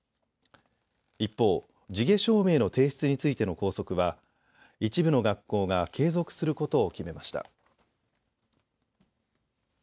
一方、地毛証明の提出についての校則は一部の学校が継続することを決めました。